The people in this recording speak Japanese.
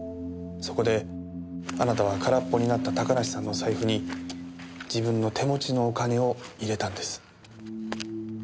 そこであなたは空っぽになった高梨さんの財布に自分の手持ちのお金を入れたんです。